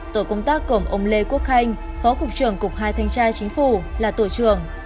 tổ công tác cổng ông lê quốc khanh là tổ trưởng